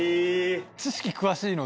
知識詳しいの。